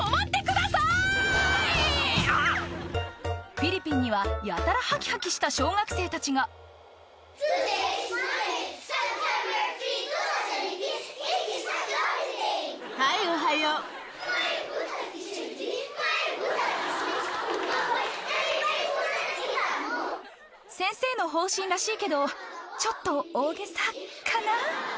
フィリピンにはやたらハキハキした小学生たちが・はいおはよう・先生の方針らしいけどちょっと大げさかな？